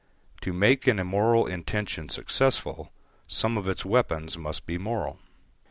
To make an immoral intention successful, some of its weapons must be moral.